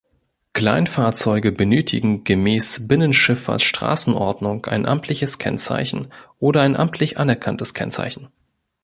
Kleinfahrzeuge benötigen gemäß Binnenschifffahrtsstraßen-Ordnung ein amtliches Kennzeichen oder ein amtlich anerkanntes Kennzeichen.